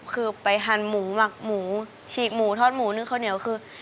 คือไปทานหมูหมักหมูฉีกหมูทอดหมูนึ่งข้าวเหนียวคือ